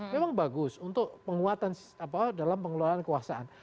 memang bagus untuk penguatan dalam pengelolaan kekuasaan